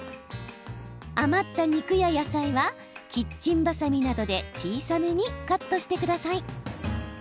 余った肉や野菜はキッチンばさみなどで小さめにカットしてください。